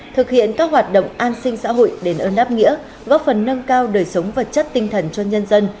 thực hiện các hoạt động an sinh xã hội đền ơn đáp nghĩa góp phần nâng cao đời sống vật chất tinh thần cho nhân dân